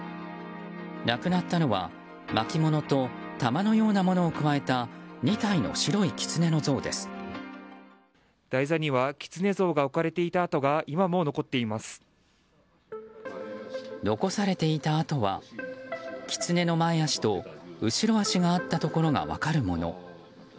なくなったのは巻物と玉のようなものをくわえた台座にはキツネ像が置かれていた跡が残されていた跡はキツネの前足と後ろ足があったところが分かるもの。